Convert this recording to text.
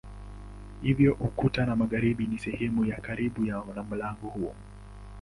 Hivyo ukuta wa magharibi ni sehemu ya karibu na mlango huu.